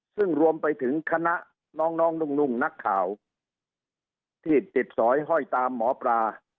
ซึ่งรวมไปถึงคณะน้องนุ่งนักข่าวที่ติดสอยห้อยตามหมอปลา